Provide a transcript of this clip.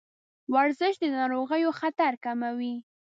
ورزش د ناروغیو خطر کموي.